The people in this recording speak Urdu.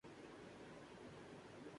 رنویر سنگھ نے گھر داماد بننے کا فیصلہ کر لیا